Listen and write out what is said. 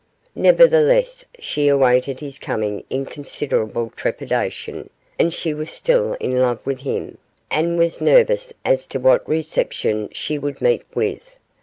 Nevertheless she awaited his coming in considerable trepidation, as she was still in love with him, and was nervous as to what reception she would meet with.